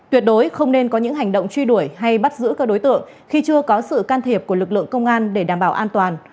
tuyệt đối không nên có những hành động truy đuổi hay bắt giữ các đối tượng khi chưa có sự can thiệp của lực lượng công an để đảm bảo an toàn